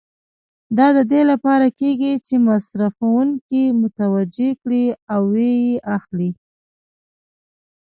دا د دې لپاره کېږي چې مصرفوونکي متوجه کړي او و یې اخلي.